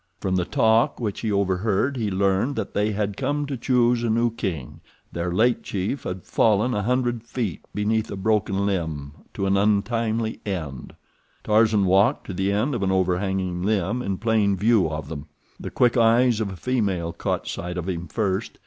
From the talk which he overheard he learned that they had come to choose a new king—their late chief had fallen a hundred feet beneath a broken limb to an untimely end. Tarzan walked to the end of an overhanging limb in plain view of them. The quick eyes of a female caught sight of him first.